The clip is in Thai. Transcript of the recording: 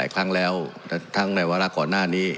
ไปไล่ครั้งแล้วทั้งในเวลาก่อนหน้านี้